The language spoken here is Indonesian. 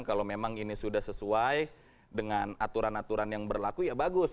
kalau memang ini sudah sesuai dengan aturan aturan yang berlaku ya bagus